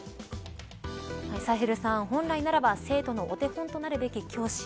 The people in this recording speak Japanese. サヘルさん、本来ならば生徒のお手本となるべき教師。